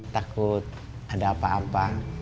takut ada apa apa